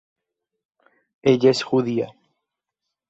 Ella es judía.